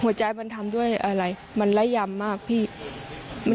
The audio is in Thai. หัวใจมันทำด้วยอะไรมันไล่ยำมากพี่